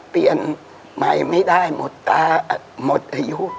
เปลี่ยนใหม่ไม่ได้หมดอายุ